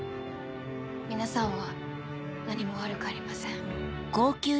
皆さんは何も悪くありません。